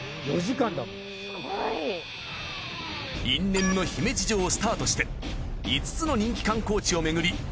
因縁の姫路城をスタートして５つの人気観光地を巡り